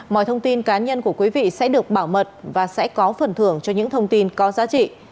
mọi thông tin cá nhân của quý vị sẽ được bảo mật và sẽ có phần thưởng cho những thông tin có giá trị